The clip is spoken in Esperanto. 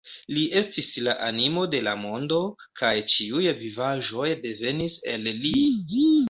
Li estis la animo de la mondo, kaj ĉiuj vivaĵoj devenis el li.